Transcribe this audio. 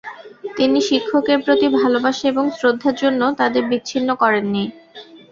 তিনি শিক্ষকের প্রতি ভালবাসা এবং শ্রদ্ধার জন্য তাদের বিচ্ছিন্ন করেননি।